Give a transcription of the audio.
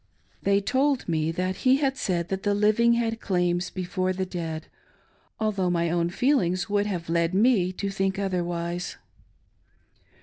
They told me that he had said that the living had claims before the dead, although my own feelings would have led me to think otherwise.